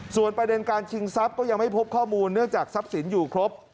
ส่วนประเด็นการชิงทรัพย์ก็ยังไม่พบข้อมูลเนื่องจากทรัพย์สินอยู่ครบ